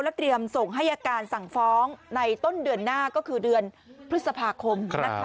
เตรียมส่งให้อาการสั่งฟ้องในต้นเดือนหน้าก็คือเดือนพฤษภาคม